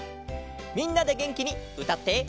みんなでげんきにうたっておどろう！